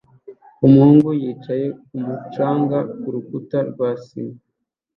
Umuhungu yicaye kumu canga s kurukuta rwa sima